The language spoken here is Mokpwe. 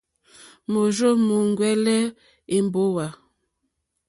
Môrzô múúŋwɛ̀lɛ̀ èmbówà.